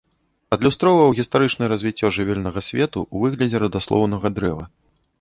Адлюстраваў гістарычнае развіццё жывёльнага свету ў выглядзе радаслоўнага дрэва.